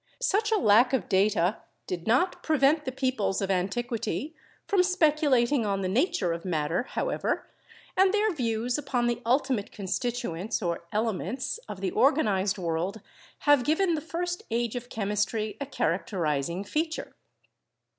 Such a lack of data did not prevent the peoples of antiquity from speculating on the nature of matter, however, and their views upon the ultimate constituents, or "elements," of the organized world have given the first age of chemistry a characterizing feature.